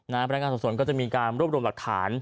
พนักงานสอบสวนก็จะมีการรวบรวมหลักฐาน